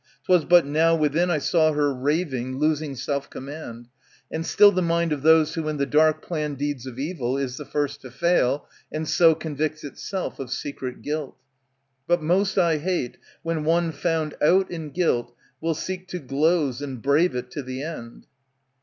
'Twas but now within I saw her raving, losing self command. And still the mind of those who in the dark Plan deeds of evil is the first to fail, And so convicts itself of secret guilt. But most I hate when one found out in guilt Will seek to gloze and brave it to the end.